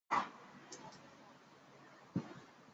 丽翅小瓢叶蚤为金花虫科小瓢叶蚤属下的一个种。